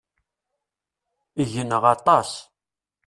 Gneɣ aṭas.